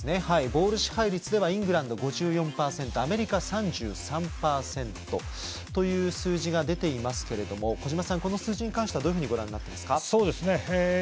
ボール支配率ではイングランドが５４％アメリカは３３％という数字が出ていますけれども小島さん、どうご覧になりますか。